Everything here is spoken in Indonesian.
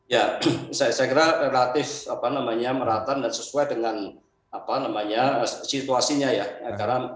ya saya kira relatif apa namanya merata dan sesuai dengan apa namanya situasinya ya agar